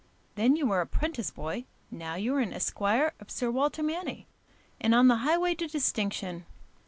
Then you were a 'prentice boy, now you are an esquire of Sir Walter Manny, and on the highway to distinction.